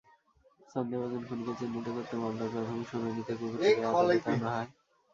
সন্দেহভাজন খুনিকে চিহ্নিত করতে মামলার প্রাথমিক শুনানিতে কুকুরটিকে আদালতে আনা হয়।